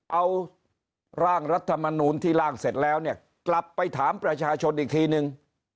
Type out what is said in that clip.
เอาร่างรัฐมนูลที่ร่างเสร็จแล้วเนี่ยกลับไปถามประชาชนอีกทีนึง